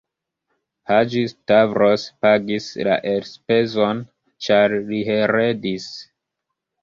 Haĝi-Stavros pagis la elspezon, ĉar li heredis.